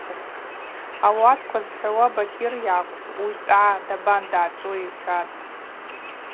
Ауатква зхӏвауа Бакьыр йакӏвпӏ – уицӏгӏа, дабан дъачӏву, – йхӏватӏ.